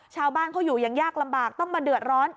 ชาวบ้านเขาอยู่อย่างยากลำบากต้องมาเดือดร้อน